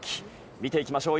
見ていきましょう。